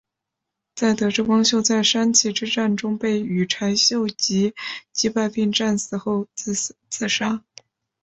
在得知光秀在山崎之战中被羽柴秀吉击败并战死后自杀。